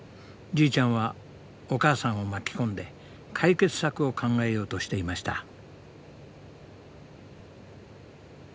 じいちゃんはお母さんを巻き込んで解決策を考えようとしていました。